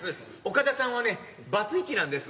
岡田さんはねバツイチなんです。